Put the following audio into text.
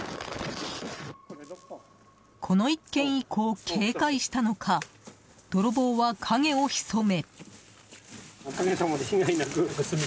この一件以降、警戒したのか泥棒は影を潜め。